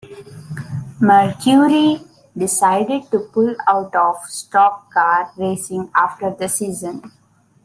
Mercury decided to pull out of stock car racing after the season.